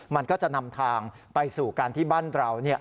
มันก็จะนำทางไปสู่การที่บ้านเรา